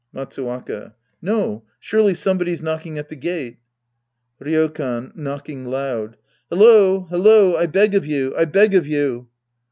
Matsuwaka. No. Surely somebody's knocking at the gate. Ryokan {knocking loud). Hello ! Hello 1 I beg of you. I beg of you.